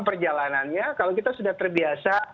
perjalanannya kalau kita sudah terbiasa